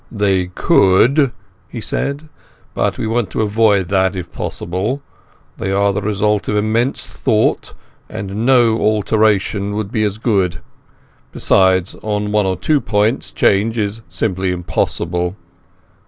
"They could," he said. "But we want to avoid that if possible. They are the result of immense thought, and no alteration would be as good. Besides, on one or two points change is simply impossible.